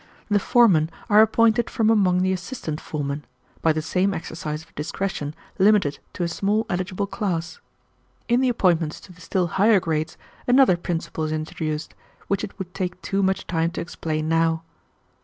The foremen are appointed from among the assistant foremen, by the same exercise of discretion limited to a small eligible class. In the appointments to the still higher grades another principle is introduced, which it would take too much time to explain now.